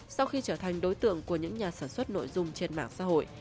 sau khi trở thành đối tượng của những nhà sản xuất nội dung trên mạng xã hội